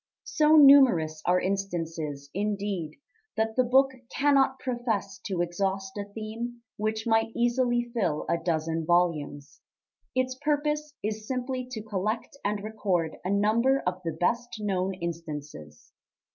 So numerous are instances, indeed, that the book cannot profess to exhaust a theme which might easily fill a dozen volumes; its purpose is simply to collect and record a number of the best known instances.